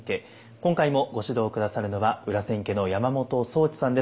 今回もご指導下さるのは裏千家の山本宗知さんです。